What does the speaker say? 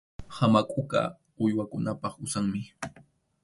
Hamakʼuqa uywakunap usanmi.